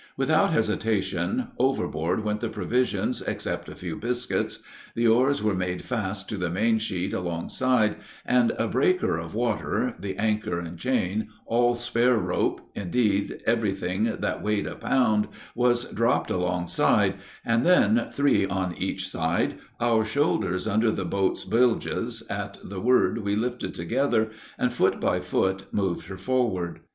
Without hesitation, overboard went the provisions except a few biscuits; the oars were made fast to the main sheet alongside, and a breaker of water, the anchor and chain, all spare rope, indeed everything that weighed a pound, was dropped alongside, and then, three on each side, our shoulders under the boat's bilges, at the word we lifted together, and foot by foot moved her forward.